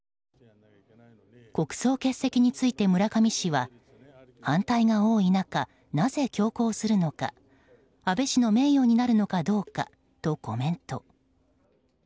国葬欠席について村上氏は反対が多い中なぜ強行するのか安倍氏の名誉になるのかどうかとコメント。